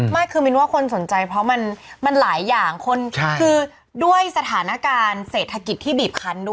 ไม่คือมินว่าคนสนใจเพราะมันหลายอย่างคือด้วยสถานการณ์เศรษฐกิจที่บีบคันด้วย